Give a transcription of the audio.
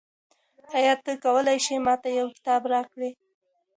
آیا ته کولای شې ما ته یو کتاب راکړې؟